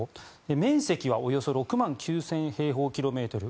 面積はおよそ６万９０００平方キロメートル。